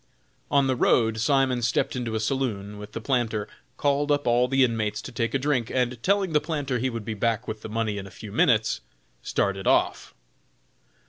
On the road Simon stepped into a saloon with the planter, called up all the inmates to take a drink, and telling the planter he would be back with the money in a few minutes, started off.